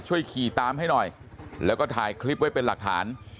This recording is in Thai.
ช่วยขี่ตามให้หน่อยแล้วก็ถ่ายคลิปไว้เป็นหลักฐาน